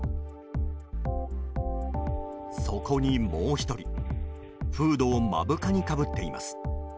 そこにもう１人フードを目深にかぶっています。